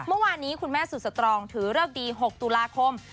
เมื่อวานนี้คุณแม่สุดสตรองถือเลิกดี๖ตุลาคม